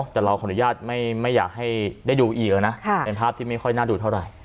แต่คนดุญาตไม่อยากให้ได้ดูอีเออนะเห็นภาพที่ไม่ค่อนหน้าสำคัญเข้าใจเท่าไหร่